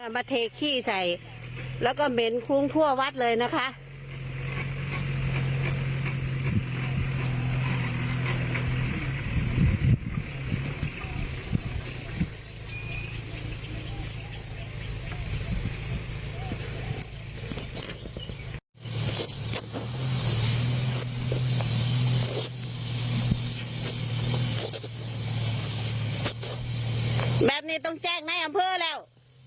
แบบนี้ต้องแจ้งในอำเภอแล้ว